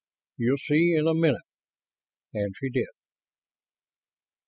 "You'll see in a minute." And she did.